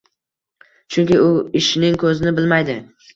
Chunki u ishning ko‘zini bilmaydi.